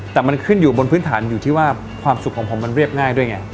แต่มันขึ้นอยู่บนพื้นฐานอยู่ที่ว่าความสุขของผมมันเรียบง่ายด้วยไง